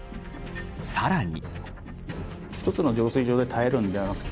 更に。